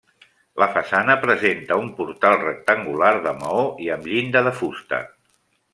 La façana presenta un portal rectangular de maó i amb llinda de fusta.